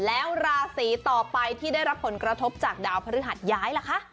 แล้วราศีต่อไปที่ได้รับผลกระทบจากดาวพฤหัสย้ายล่ะคะ